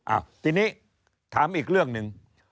อ้าวทีนี้ถามอีกเรื่องหนึ่ง